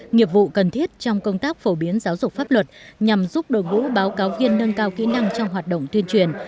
nghiệp vụ cần thiết trong công tác phổ biến giáo dục pháp luật nhằm giúp đội ngũ báo cáo viên nâng cao kỹ năng trong hoạt động tuyên truyền